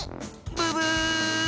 ブブー！